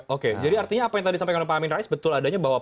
oke jadi artinya apa yang tadi sampai dengan pak amin rais betul adanya